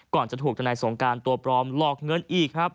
ก่อนจะถูกธนายสงการตัวปลอมหลอกเงินอีก